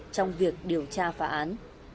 trong việc điều tra phá án